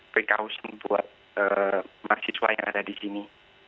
precaution buat mahasiswa yang ada di sini